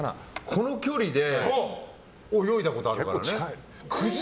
この距離で泳いだことあるからね。